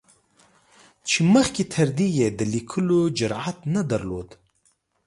چې مخکې تر دې یې د لیکلو جرعت نه درلود.